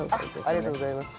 ありがとうございます。